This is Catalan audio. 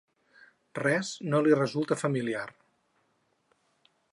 Res no li resulta familiar.